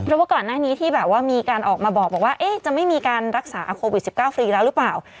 เพราะว่าก่อนหน้านี้ที่แบบว่ามีการออกมาบอกว่าจะไม่มีการรักษาโควิด๑๙ฟรีแล้วหรือเปล่า